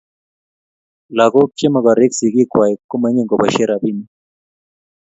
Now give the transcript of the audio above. Lagok che magorek sigik kwai komaingen koboishe rabinik